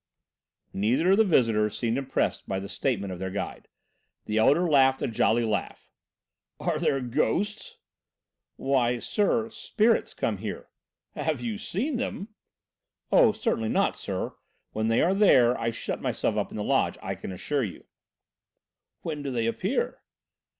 Neither of the visitors seemed impressed by the statement of their guide. The elder laughed a jolly laugh. "Are there ghosts?" "Why, sir, 'spirits' come here." "Have you seen them?" "Oh! certainly not, sir. When they are there, I shut myself up in the lodge, I can assure you " "When do they appear?"